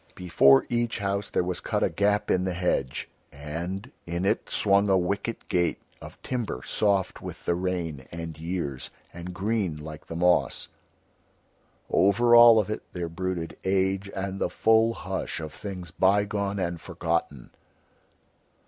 Before each house there was cut a gap in the hedge, and in it swung a wicket gate of timber soft with the rain and years, and green like the moss. Over all of it there brooded age and the full hush of things bygone and forgotten.